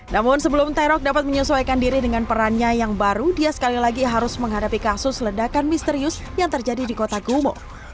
namun sebelum tae rock dapat menyesuaikan diri dengan perannya yang baru dia sekali lagi harus menghadapi kasus ledakan misterius yang terjadi di kota gumo